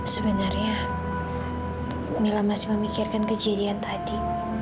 sebenarnya bila masih memikirkan kejadian tadi